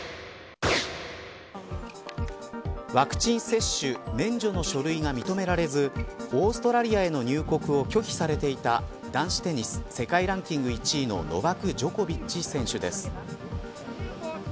ワクチン接種免除の書類が認められずオーストラリアへの入国を拒否されていた男子テニス世界ランキング１位のノバク・ジョコビッチ選手です。